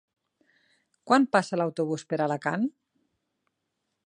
Quan passa l'autobús per Alacant?